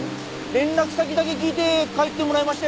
連絡先だけ聞いて帰ってもらいましたよ。